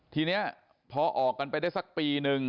ทีนี้พอออกกันไปได้สักปีนึง